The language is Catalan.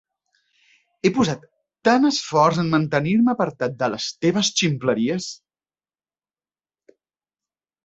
He posat tant esforç en mantenir-me apartat de les teves ximpleries.